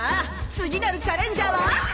次なるチャレンジャーは？